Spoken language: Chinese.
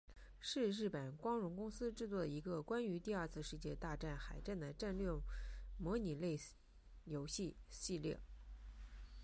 是日本光荣公司制作的一个关于第二次世界大战海战的战略模拟类游戏系列。